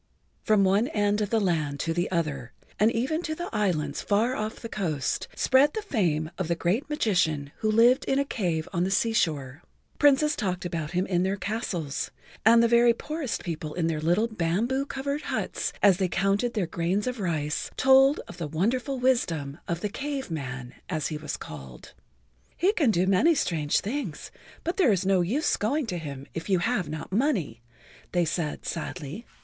From one end of the land to the other, and even to the islands far off the coast, spread the fame of the great magician who lived in a cave on the sea shore. Princes talked about him in their castles, and the very poorest people in their little bamboo covered huts as they counted their grains of rice told of the wonderful wisdom of the Cave Man, as he was called. "He can do many strange things, but there is no use going to him if you have not money," they said sadly.